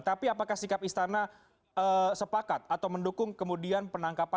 tapi apakah sikap istana sepakat atau mendukung kemudian penangkapan